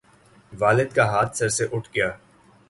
والد کا ہاتھ سر سے اٹھ گیا